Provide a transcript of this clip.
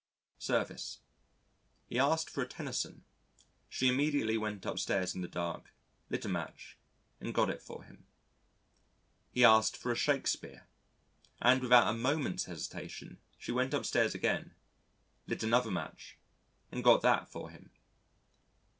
Service He asked for a Tennyson. She immediately went upstairs in the dark, lit a match and got it for him. He asked for a Shakespeare. And without a moment's hesitation, she went upstairs again, lit another match and got that for him.